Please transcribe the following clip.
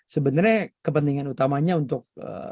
sebenarnya kepentingan utamanya untuk